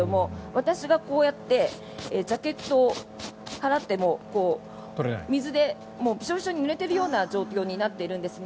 私がこうやってジャケットを払っても水でビショビショに濡れているような状況になっているんですね。